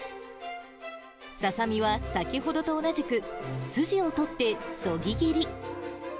ササミは先ほどと同じく、すじを取ってそぎ切り。